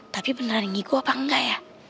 tapi beneran ngiko apa enggak ya